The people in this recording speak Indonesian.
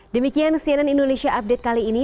demikian cnn indonesia update kali ini